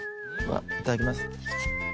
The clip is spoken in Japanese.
いただきます。